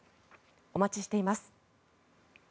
お待ちしています。